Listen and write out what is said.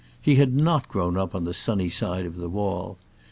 He had not grown on the sunny side of the wall.